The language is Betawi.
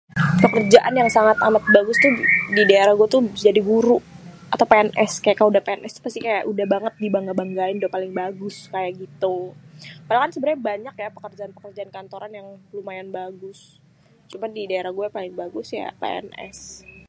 pekerjaan yang sangat amat bagus tuh di daerah gué tuh jadi guru atau pns kék kalo udéh PNS pasti kaya udah banget dibangga-banggain udah paling bagus kaya gitu, padahal kan sebenrnya banyak ya pekerjaan-pekerjaan kantoran yang lumayan bagus cuman di daerah gué paling bagus ya PNS